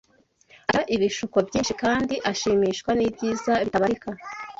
akira ibishuko byinshi kandi ashimishwa n’ibyiza bitabarika